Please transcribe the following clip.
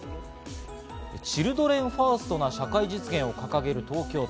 チルドレンファーストな社会実現を掲げる東京都。